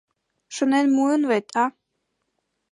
Шонен муын вет, а?